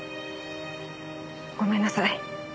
ごめんなさい。